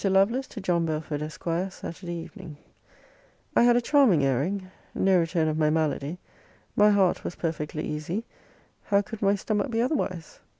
LOVELACE, TO JOHN BELFORD, ESQ. SAT. EVENING. I had a charming airing. No return of my malady. My heart was perfectly easy, how could my stomach be otherwise?